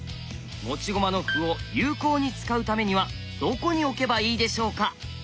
持ち駒の歩を有効に使うためにはどこに置けばいいでしょうか？